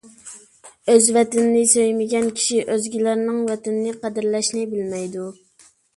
ئۆز ۋەتىنىنى سۆيمىگەن كىشى ئۆزگىلەرنىڭ ۋەتىنىنى قەدىرلەشنى بىلمەيدۇ.